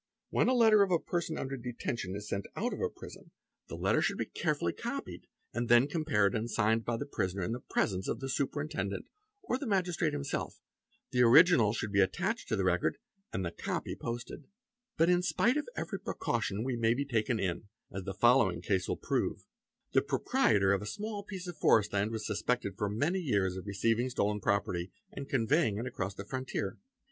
When a letter of a Jerson under detention is to be sent out of a prison, the letter should PATI M NREL TEPER 456 HNN OETTARS 0 RABRDAU MT OP #17 340 PRACTICES OF CRIMINALS be carefully copied and then compared and signed by the prisoner in presence of the Superintendent or the Magistrate himself; the original should be attached to the record and the copy posted. But in spite of every precaution we may be taken in, as the foll agp case will prove: the proprietor of a small piece of forest land was sus pected for many years of receiving stolen property and conveying it across the frontier.